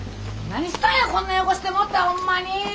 何したんやこんな汚してもうてホンマに。